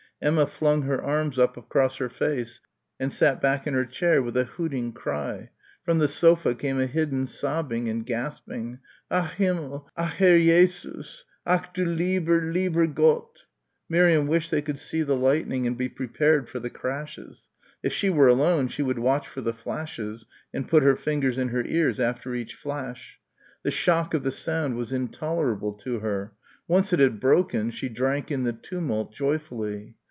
Emma flung her arms up across her face and sat back in her chair with a hooting cry. From the sofa came a hidden sobbing and gasping. "Ach Himmel! Ach Herr Jé sus! Ach du lie ber, lie ber Gott!" Miriam wished they could see the lightning and be prepared for the crashes. If she were alone she would watch for the flashes and put her fingers in her ears after each flash. The shock of the sound was intolerable to her. Once it had broken, she drank in the tumult joyfully.